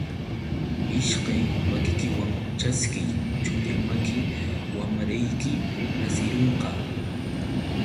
Ishkay makikiwan ćhaskiy, chulla maki wamrayki nasirunqa.